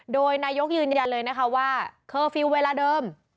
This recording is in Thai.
โดยนายกยืนยันเลยนะคะว่าเคอร์ฟิลล์เวลาเดิม